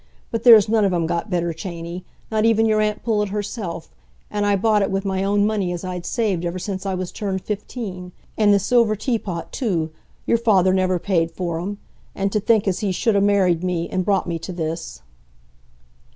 But there's none of 'em got better chany, not even your aunt Pullet herself; and I bought it wi' my own money as I'd saved ever since I was turned fifteen; and the silver teapot, too,—your father never paid for 'em. And to think as he should ha' married me, and brought me to this."